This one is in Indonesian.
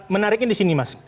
menariknya di sini mas